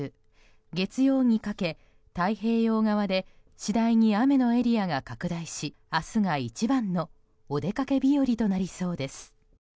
月曜にかけ太平洋側で次第に雨のエリアが拡大し明日が一番のお出かけ日和となりそうです。